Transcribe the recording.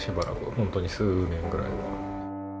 本当、数年ぐらいは。